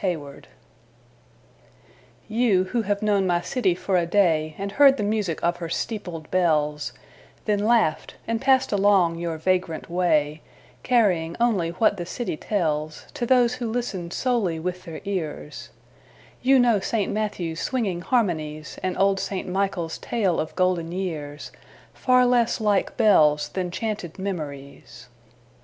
SILENCES You who have known my city for a day And heard the music of her steepled bells, Then laughed, and passed along your vagrant way, Carrying only what the city tells To those who listen solely with their ears; You know St. Matthew's swinging harmonies, And old St. Michael's tale of golden years Far less like bells than chanted memories.